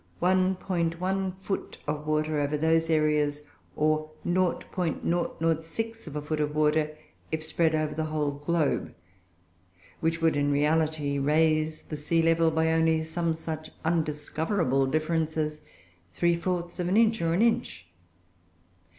1 foot of water over those areas, or 0.006 of a foot of water if spread over the whole globe, which would, in reality, raise the sea level by only some such undiscoverable difference as three fourths of an inch or an inch.